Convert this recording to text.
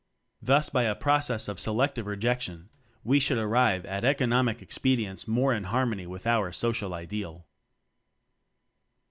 Thus by a process of (selec tive) rejection we should arrive at economic expedients more in har mony with our Social Ideal.